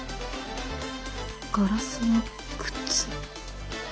ガラスの靴。